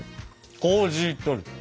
コージートルテ。